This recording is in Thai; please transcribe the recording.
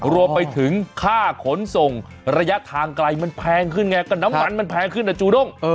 รวมไปถึงค่าขนส่งระยะทางไกลมันแพงขึ้นไงก็น้ำมันมันแพงขึ้นนะจูด้ง